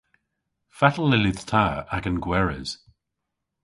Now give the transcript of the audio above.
Fatel yllydh ta agan gweres?